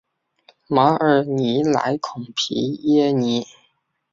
马尔尼莱孔皮耶尼。